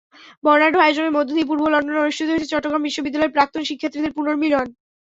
বর্ণাঢ্য আয়োজনের মধ্য দিয়ে পূর্ব লন্ডনে অনুষ্ঠিত হয়েছে চট্টগ্রাম বিশ্ববিদ্যালয়ের প্রাক্তন শিক্ষার্থীদের পুনর্মিলনী।